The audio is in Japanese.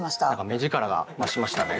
目力が増しましたね。